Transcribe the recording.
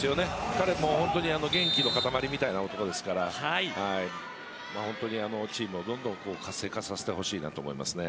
彼も元気の塊みたいな男ですからチームをどんどん活性化させてほしいと思いますね。